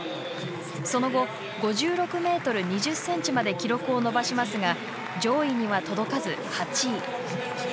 その後５６ｍ２０ｃｍまで記録を伸ばしますが上位には届かず８位。